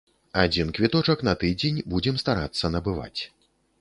Адзін квіточак на тыдзень будзем старацца набываць.